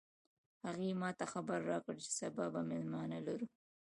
هغې ما ته خبر راکړ چې سبا به مېلمانه لرو